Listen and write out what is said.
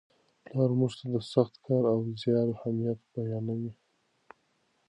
پلار موږ ته د سخت کار او زیار اهمیت بیانوي.